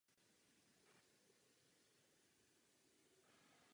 Palác zůstal opuštěn a začal chátrat.